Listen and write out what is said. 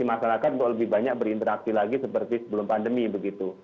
jadi masyarakat mau lebih banyak berinteraksi lagi seperti sebelum pandemi begitu